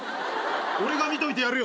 俺が見といてやるよ。